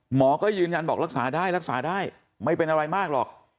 หมอก็ยืนยันบอกรักษาได้รักษาได้ไม่เป็นอะไรมากหรอก